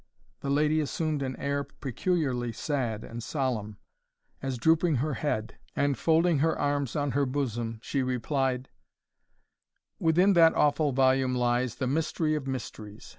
The lady assumed an air peculiarly sad and solemn, as drooping her head, and folding her arms on her bosom, she replied: "Within that awful volume lies The mystery of mysteries!